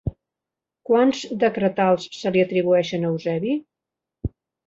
Quants decretals se li atribueixen a Eusebi?